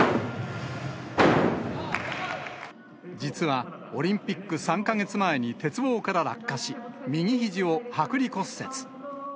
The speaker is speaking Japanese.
実は、オリンピック３か月前に鉄棒から落下し、右ひじを剥離骨折。